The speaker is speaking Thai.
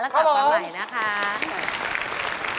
ครับผมแล้วนะครับ